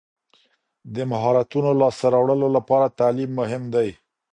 د مهارتونو لاسته راوړلو لپاره تعلیم مهم دی.